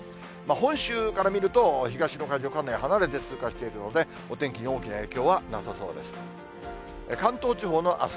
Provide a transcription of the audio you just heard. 本州から見ると、東の海上、かなり離れて通過していくので、お天気に大きな影響はなさそうです。